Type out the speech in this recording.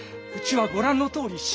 うちはご覧のとおり